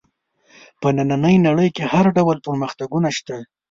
په نننۍ نړۍ کې هر ډول پرمختګونه شته.